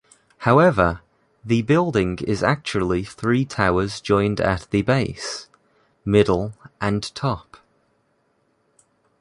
However, the building is actually three towers joined at the base, middle and top.